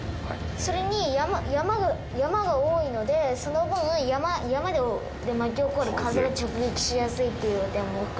それに山山が多いのでその分山で巻き起こる風が直撃しやすいっていう点も含めて。